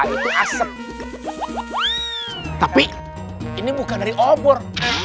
itu asem tapi ini bukan dari obor